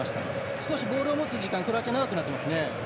少しボールを持つ時間クロアチア長くなっていますね。